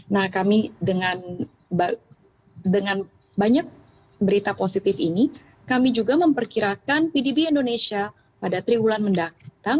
nah kami dengan banyak berita positif ini kami juga memperkirakan pdb indonesia pada triwulan mendatang